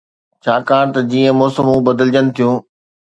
ڇاڪاڻ ته جيئن موسمون بدلجن ٿيون